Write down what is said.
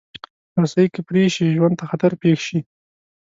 رسۍ که پرې شي، ژوند ته خطر پېښ شي.